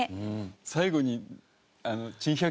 最後に。